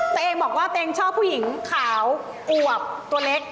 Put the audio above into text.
ตัวเองบอกว่าตัวเองชอบผู้หญิงขาวอวบตัวเล็ก